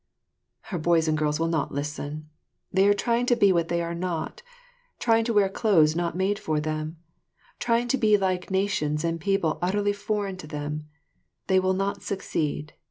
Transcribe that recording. Our boys and girls will not listen; they are trying to be what they are not, trying to wear clothes not made for them, trying to be like nations and people utterly foreign to them; and they will not succeed.